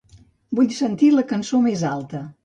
Vull sentir la cançó més alta.